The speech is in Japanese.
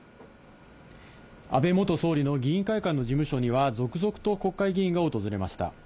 安倍元総理の議員会館の事務所には、続々と国会議員が訪れました。